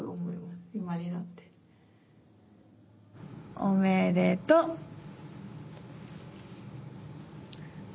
おめでとう。